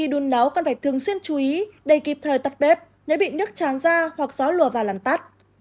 báo cần phải thường xuyên chú ý đầy kịp thời tắt bếp nếu bị nước chán ra hoặc gió luồn vào làm tắt